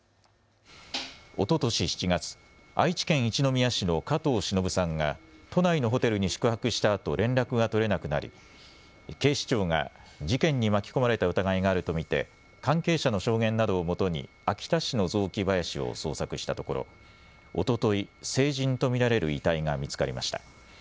おととし７月、愛知県一宮市の加藤しのぶさんが都内のホテルに宿泊したあと連絡が取れなくなり警視庁が事件に巻き込まれた疑いがあると見て関係者の証言などをもとに秋田市の雑木林を捜索したところおととい、成人と見られる遺体が見つかりました。